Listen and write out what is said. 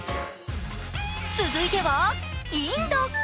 続いてはインド。